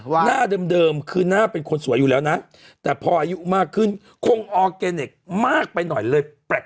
หน้าเดิมคือหน้าเป็นคนสวยอยู่แล้วนะแต่พออายุมากขึ้นคงออร์แกเนคมากไปหน่อยเลยแปลก